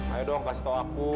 ayo dong kasih tau aku